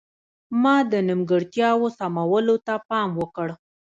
ما د نیمګړتیاوو سمولو ته پام وکړ.